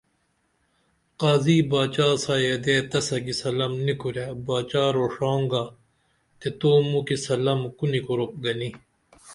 قاضی باچا سا یدے تسہ کی سلم نی کُرے باچا روڜان گا تے تو موکی سلم کونی کُروپ گنی